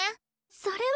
それは。